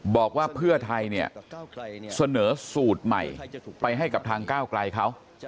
บอกว่าเพื่อไทยเนี่ยเสนอสูตรใหม่ไปให้กับทางก้าวไกลเขา